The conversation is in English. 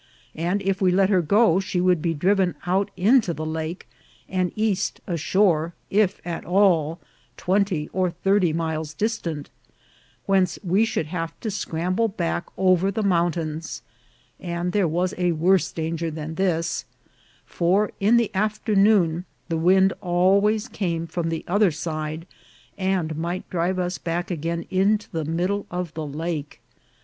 163 and if we let her go she would be driven out into the lake, and cast ashore, if at all, twenty or thirty miles distant, whence we should have to scramble back over mountains ; and there was a worse danger than this, for in the afternoon the wind always came from the other side, and might drive us back again into the middle of the lake.